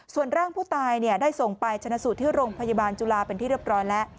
ส่วนร่างผู้ตายได้ส่งไปชนะสูตรที่โรงพยาบาลจุฬาเป็นที่เรียบร้อยแล้ว